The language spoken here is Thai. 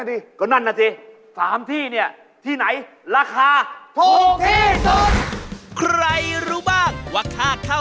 เอออันนี้ไม่รู้เลยอ่ะ